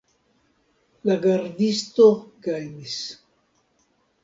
La gardisto gajnis.